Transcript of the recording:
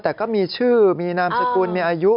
แต่ก็มีชื่อมีนามสกุลมีอายุ